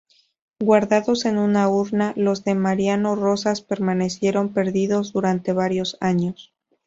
Guardados en una urna, los de Mariano Rosas permanecieron perdidos durante varios años.